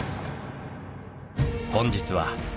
本日は。